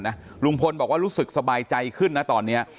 ลุงพลบอกว่ารู้สึกสบายใจขึ้นนะตอนนี้